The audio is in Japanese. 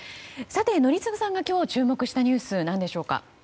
宜嗣さんが今日注目したニュース何でしょうか。